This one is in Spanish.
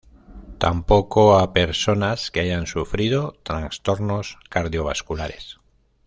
Tampoco a personas que hayan sufrido trastornos cardiovasculares.